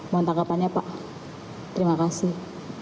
mau tangkapannya pak terima kasih